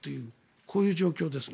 こういう状況ですね。